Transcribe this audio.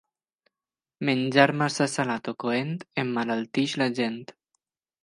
Menjar massa salat o coent emmalalteix la gent.